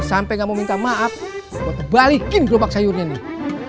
sampai gak mau minta maaf gue tebalikin kelopak sayurnya nih